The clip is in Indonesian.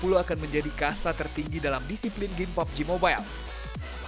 pembangunan pembangunan yang tertinggi dalam disiplin game pubg mobile